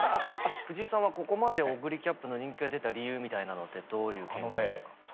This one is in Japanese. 藤井さんはここまでオグリキャップの人気が出た理由みたいなのってどういう見解ですか？